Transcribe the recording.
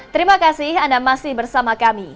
terima kasih anda masih bersama kami